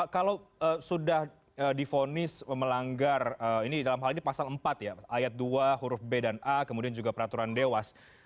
kalau sudah difonis melanggar ini dalam hal ini pasal empat ya ayat dua huruf b dan a kemudian juga peraturan dewas